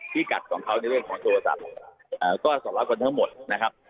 พี่กัดของเขาในเรื่องของโทรศัพท์ก็สารกันทั้งหมดนะครับ